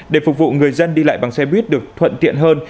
để phục vụ người dân đi lại bằng xe buýt được thuận tiện hơn